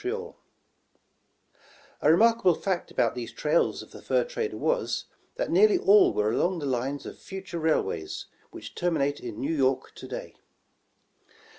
119 The Original John Jacob Astor A remarkable fact about these trails of the fur trader was, that nearly all were along the lines of future rail ways, which terminate in New York to day.